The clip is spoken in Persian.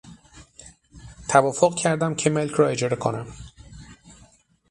توافق کردم که ملک را اجاره کنم.